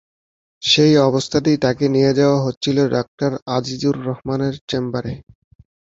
সেই অবস্থাতেই তাকে নিয়ে যাওয়া হচ্ছিল ডাক্তার আজিজুর রহমানের চেম্বারে।